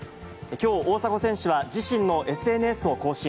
きょう、大迫選手は自身のＳＮＳを更新。